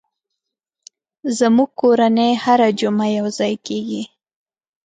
زموږ کورنۍ هره جمعه یو ځای کېږي.